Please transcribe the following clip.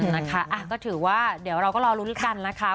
นะคะก็ถือว่าเดี๋ยวเราก็รอลุ้นกันนะคะ